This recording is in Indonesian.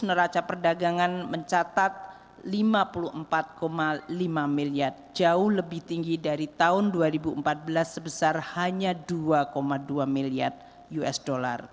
neraca perdagangan mencatat lima puluh empat lima miliar jauh lebih tinggi dari tahun dua ribu empat belas sebesar hanya dua dua miliar usd